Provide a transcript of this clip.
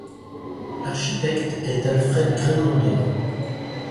L'architecte est Alfred Grenander.